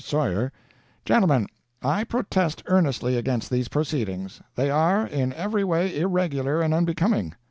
SAWYER: 'Gentlemen I protest earnestly against these proceedings. They are, in every way, irregular and unbecoming.